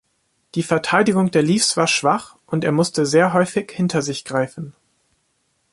Die Verteidigung der Leafs war schwach und er musste sehr häufig hinter sich greifen.